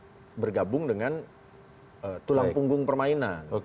yang lainnya cenderung bergabung dengan tulang punggung permainan